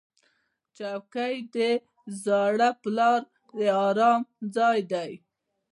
چوکۍ د زاړه پلار ارام ځای دی.